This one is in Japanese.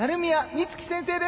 美月先生です。